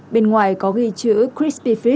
bên ngoài có ghi chữ crispy fit